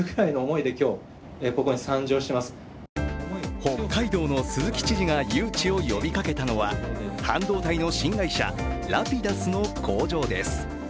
北海道の鈴木知事が誘致を呼びかけたのは半導体の新会社Ｒａｐｉｄｕｓの工場です